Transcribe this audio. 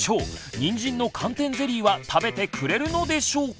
にんじんの寒天ゼリーは食べてくれるのでしょうか？